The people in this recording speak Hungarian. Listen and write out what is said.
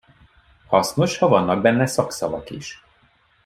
Hasznos, ha vannak benne szakszavak is.